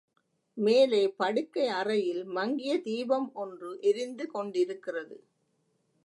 மேலே படுக்கை அறையில் மங்கிய தீபம் ஒன்று எரிந்து கொண்டிருக்கிறது.